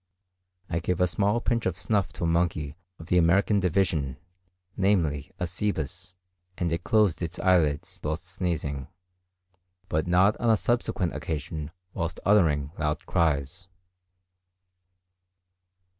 I gave a small pinch of snuff to a monkey of the American division, namely, a Cebus, and it closed its eyelids whilst sneezing; but not on a subsequent occasion whilst uttering loud cries.